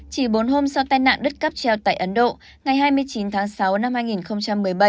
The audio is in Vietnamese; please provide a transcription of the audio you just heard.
chỉ bốn hôm sau tai nạn đứt cắp treo tại ấn độ ngày hai mươi chín tháng sáu năm hai nghìn một mươi bảy